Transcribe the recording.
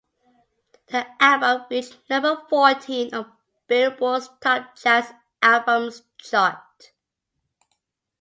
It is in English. The album reached number fourteen on "Billboard"'s Top Jazz Albums chart.